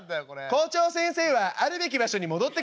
「校長先生はあるべき場所に戻ってください」。